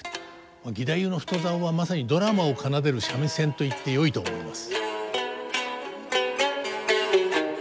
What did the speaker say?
義太夫の太棹はまさにドラマを奏でる三味線といってよいと思います。